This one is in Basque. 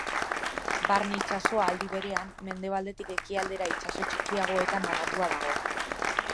Barne itsasoa, aldi berean, mendebaldetik ekialdera itsaso txikiagoetan banatua dago.